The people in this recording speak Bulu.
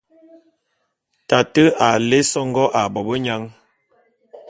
Tate a lé songó ā bobenyang.